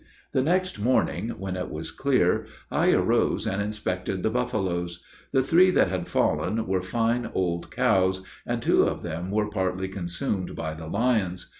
The next morning, when it was clear, I arose and inspected the buffaloes. The three that had fallen were fine old cows, and two of them were partly consumed by the lions.